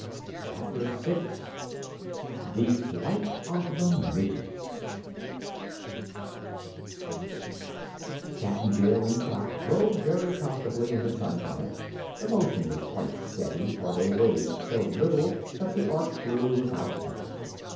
Chapter Six The Flight of the Midgets Cap'n Bill and Trot rode very comfortably in the sunbonnet. The motion was quite steady, for they weighed so little that the Ork flew without effort.